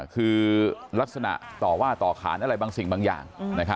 คือลักษณะต่อว่าต่อขานอะไรบางสิ่งบางอย่าง